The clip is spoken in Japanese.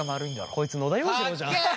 こいつ野田洋次郎じゃん。かっけえ。